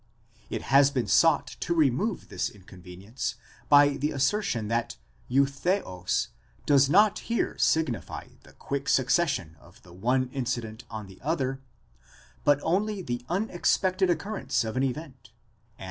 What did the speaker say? It has been sought to remove this inconvenience by the assertion that εὐθέως does not here signify the quick succession of the one incident on the other, but only the unexpected occurrence of an event, and.